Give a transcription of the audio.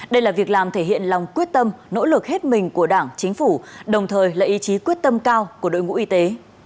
đây là việc làm thể hiện lòng quyết tâm nỗ lực hết mình của đảng chính phủ đồng thời là ý chí quyết tâm cao của đội ngũ y tế